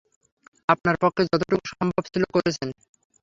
আপনার পক্ষে যতোটুকু সম্ভব ছিল করেছেন।